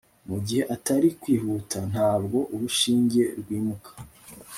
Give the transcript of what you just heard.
mugihe atari kwihuta, ntabwo urushinge rwimuka